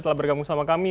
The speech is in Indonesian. telah bergabung sama kami